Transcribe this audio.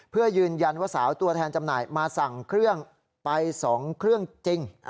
เพื่อยืนยันว่าสาวตัวแทนจำหน่ายมาสั่งเครื่องไป๒เครื่องจริง